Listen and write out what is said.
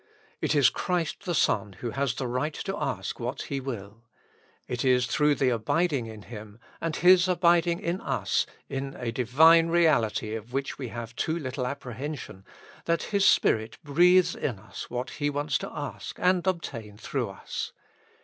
It is Christ the Son who has the right to ask what He will : it is through the abiding in Him and His abid ing in us (in a Divine reality of which we have too little apprehension) that His Spirit breathes in us what He wants to ask and obtain through us.